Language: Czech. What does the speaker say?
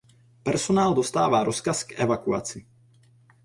Personál dostává rozkaz k evakuaci.